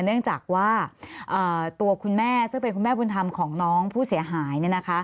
เนื่องจากว่าตัวคุณแม่ซึ่งเป็นคุณแม่บุญธรรมของน้องผู้เสียหาย